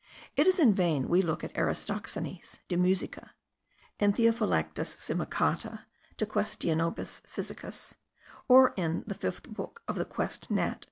It is in vain we look in Aristoxenes (De Musica), in Theophylactus Simocatta (De Quaestionibus physicis), or in the 5th Book of the Quest. Nat.